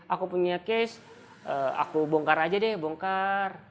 aku punya case aku bongkar aja deh bongkar